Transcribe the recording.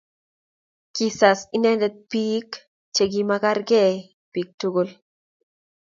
kisas inendet biik che kima ikerkei biik tugul